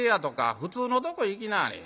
普通のとこ行きなはれ。